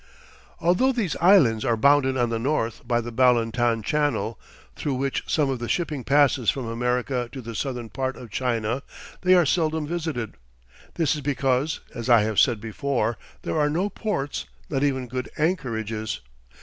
Although these islands are bounded on the north by the Balintan Channel, through which some of the shipping passes from America to the southern part of China, they are seldom visited. This is because, as I have said before, there are no ports, not even good anchorages.